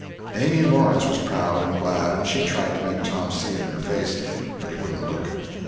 Amy Lawrence was proud and glad, and she tried to make Tom see it in her face—but he wouldn't look.